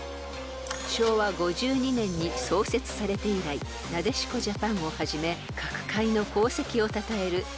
［昭和５２年に創設されて以来なでしこジャパンをはじめ各界の功績をたたえる国民栄誉賞］